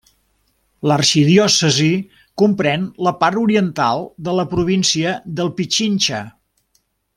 L'arxidiòcesi comprèn la part oriental de la província del Pichincha.